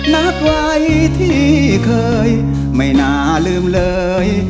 นักไว้ที่เคยไม่น่าลืมเลย